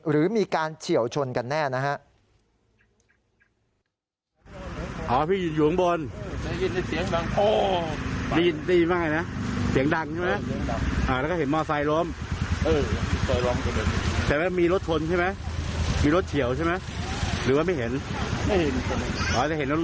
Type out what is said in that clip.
หรือมีการเฉียวชนกันแน่นะฮะ